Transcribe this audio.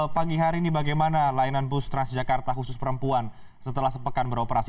pagi hari ini bagaimana layanan bus transjakarta khusus perempuan setelah sepekan beroperasi